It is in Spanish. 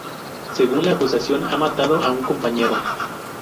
Según la acusación han matado a un compañero.